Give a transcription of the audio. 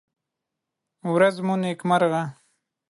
ورڅ مو نېکمرغه!